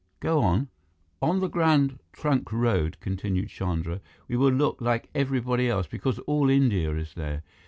Go on." "On the Grand Trunk Road," continued Chandra, "we will look like everybody else, because all India is there.